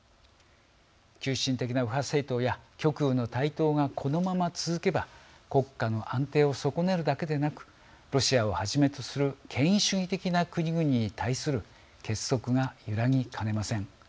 急進的な右派政党や極右の台頭が、このまま続けば国家の安定を損ねるだけでなくロシアをはじめとする権威主義的な国々に対する結束が揺らぎかねません。